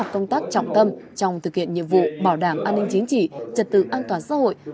công tác trọng tâm trong thực hiện nhiệm vụ bảo đảm an ninh chính trị trật tự an toàn xã hội